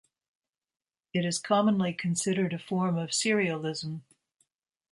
It is commonly considered a form of serialism.